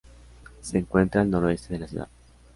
Se encuentra al noroeste de la ciudad.